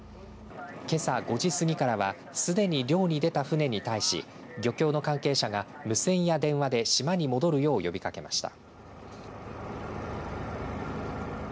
けさ５時過ぎからはすでに漁に出た船に対し漁協の関係者が無線や電話で島に戻るよう呼びかけました。